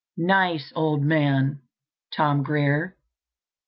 Nice old man, Tom Grier."